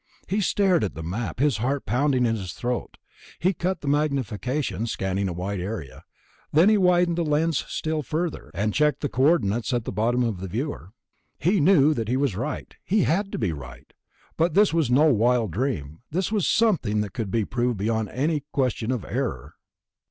He stared at the Map, his heart pounding in his throat. He cut the magnification, scanning a wide area. Then he widened the lens still further, and checked the coordinates at the bottom of the viewer. He knew that he was right. He had to be right. But this was no wild dream, this was something that could be proved beyond any question of error.